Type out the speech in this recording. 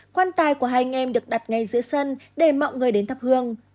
quan tài của hai anh em được đặt ngay giữa sân để mọi người đến thắp hương